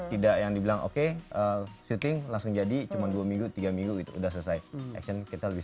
tidak yang dibilang oke syuting langsung jadi cuman dua minggu tiga minggu itu udah selesai action kita lebih